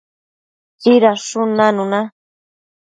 tsidadshun nanuna